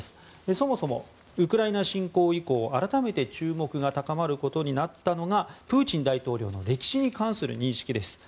そもそも、ウクライナ侵攻以降改めて注目が高まることになったのがプーチン大統領の歴史に関する認識です。